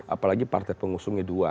apalagi partai pengusungnya dua